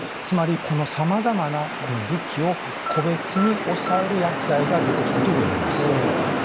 つまりこのさまざまな武器を個別に抑える薬剤が出てきたということになります。